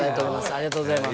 ありがとうございます。